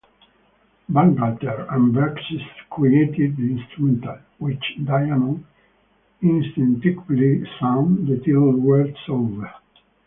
Bangalter and Braxe created the instrumental, which Diamond instinctively sang the title words over.